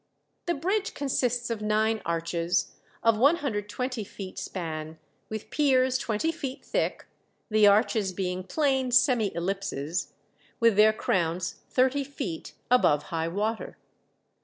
The bridge consists of nine arches, of 120 feet span, with piers 20 feet thick, the arches being plain semi ellipses, with their crowns 30 feet above high water.